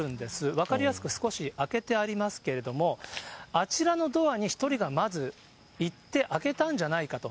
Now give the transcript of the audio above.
分かりやすく少し開けてありますけれども、あちらのドアに１人がまず行って開けたんじゃないかと。